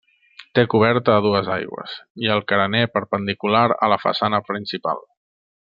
Té coberta a dues aigües i el carener perpendicular a la façana principal.